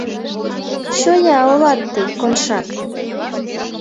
Чоя улат тый, Коншак!..